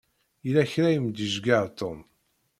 Yella kra i m-d-iceyyeɛ Tom.